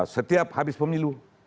setiap habis pemilu